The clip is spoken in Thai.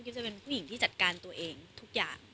จะเป็นผู้หญิงที่จัดการตัวเองทุกอย่าง